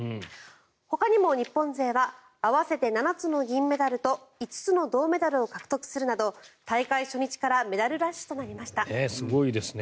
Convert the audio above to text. ほかにも日本勢は合わせて７つの銀メダルと５つの銅メダルを獲得するなど大会初日からすごいですね。